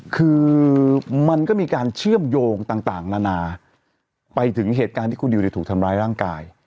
คือมันก็มีการเชื่อมโยงต่างนานาไปถึงเหตุการณ์ที่คุณดิวถูกทำร้ายร่างกาย